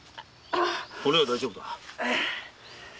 骨は大丈夫だ。